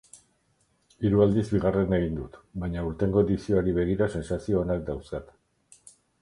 Hiru aldiz bigarren egin dut, baina aurtengo edizioari begira sentsazio onak dauzkat.